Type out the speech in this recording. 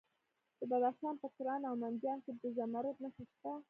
د بدخشان په کران او منجان کې د زمرد نښې شته.